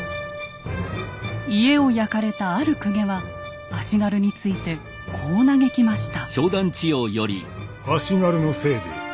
家を焼かれたある公家は足軽についてこう嘆きました。